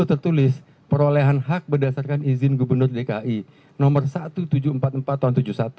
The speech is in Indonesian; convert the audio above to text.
tertulis perolehan hak berdasarkan izin gubernur dki nomor seribu tujuh ratus empat puluh empat tahun seribu sembilan ratus tujuh puluh satu